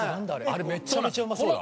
あれめちゃめちゃうまそうだな。